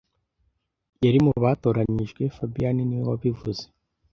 Yari mu batoranijwe fabien niwe wabivuze